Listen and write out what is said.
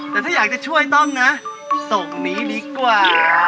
แต่ถ้าอยากจะช่วยต้อมนะส่งนี้ดีกว่า